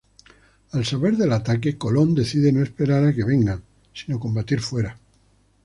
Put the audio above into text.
Al saber del ataque, Colón decide no esperar a que vengan, sino combatir fuera.